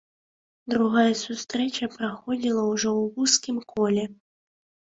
Другая сустрэча праходзіла ўжо ў вузкім коле.